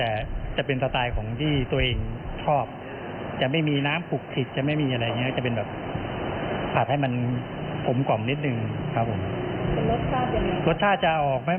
รสชาติจะร้อนแล้วรสชาติเป็นรสชาติ